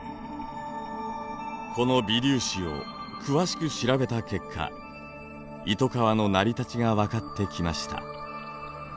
この微粒子を詳しく調べた結果イトカワの成り立ちがわかってきました。